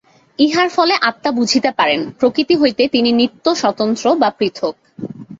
ইহার ফলে আত্মা বুঝিতে পারেন, প্রকৃতি হইতে তিনি নিত্য স্বতন্ত্র বা পৃথক্।